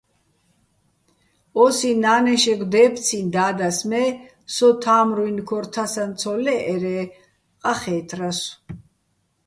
ო́სი ნანეშეგო̆ დე́ფციჼ და́დას, მე სო თამრუჲნ ქორ თასაჼ ცო ლე́ჸერ-ე ყახე́თრასო̆.